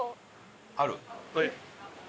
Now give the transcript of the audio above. ある？